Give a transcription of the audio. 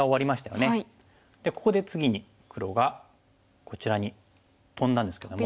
ここで次に黒がこちらにトンだんですけども。